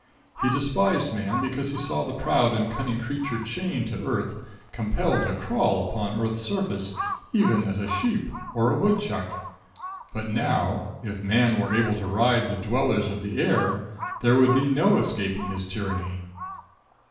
He despised man because he saw the proud and cunning creature chained to earth, compelled to crawl upon earth's surface even as a sheep or a woodchuck. But now, if man were able to ride the dwellers of the air, there would be no escaping his tyranny.